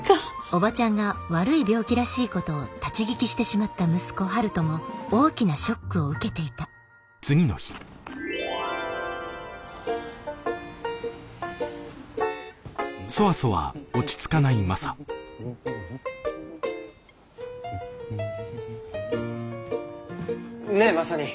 オバチャンが悪い病気らしいことを立ち聞きしてしまった息子陽斗も大きなショックを受けていたねえマサ兄。